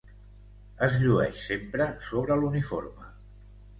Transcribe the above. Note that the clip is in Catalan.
Es llueix sempre sobre l'uniforme.